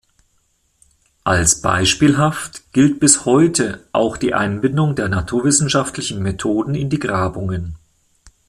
Als beispielhaft gilt bis heute auch die Einbindung der naturwissenschaftlichen Methoden in die Grabungen.